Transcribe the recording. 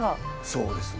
そうですね。